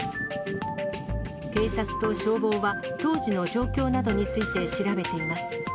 警察と消防は、当時の状況などについて調べています。